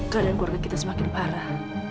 keadaan keluarga kita semakin parah